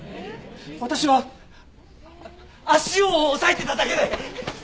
私は足を押さえていただけで。